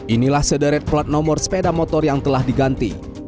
inilah sederet plat nomor sepeda motor yang telah diganti